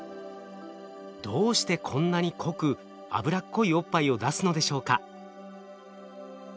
どうしてこんなに濃く脂っこいおっぱいを出すのでしょうか？